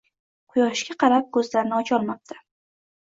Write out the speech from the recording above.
Quyoshga qarab, ko‘zlarini ocholmabdi